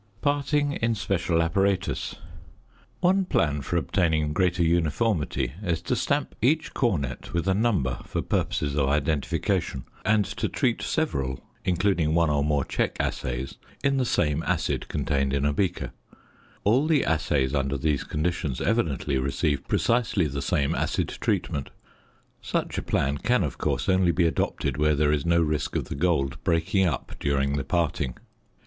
~Parting in special apparatus.~ One plan for obtaining greater uniformity is to stamp each cornet with a number for purposes of identification, and to treat several, including one or more check assays in the same acid contained in a beaker; all the assays under these conditions evidently receive precisely the same acid treatment. Such a plan can of course only be adopted where there is no risk of the gold breaking up during the parting.